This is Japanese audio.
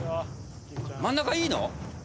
真ん中いいの？